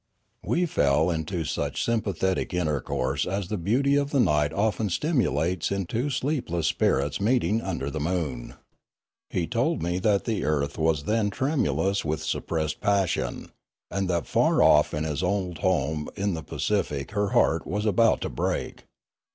We fell into such sympathetic intercourse as the beauty of night often stimulates in two sleepless spirits meeting under the moon. He told me that the earth was then tremulous with suppressed passion, and that far off in his old home in the Pacific her heart was about to break.